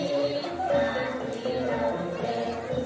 เพราะชาติประวัติเจริญที่เอกลักษณ์สมบูรณ์